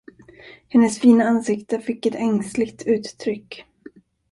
Hennes fina ansikte fick ett ängsligt uttryck.